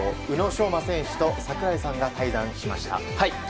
宇野昌磨選手と櫻井さんが対談しました。